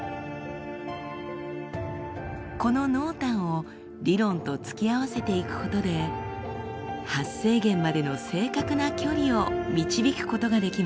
この濃淡を理論と突き合わせていくことで発生源までの正確な距離を導くことができます。